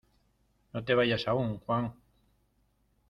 No te vayas aún, ¡Juan!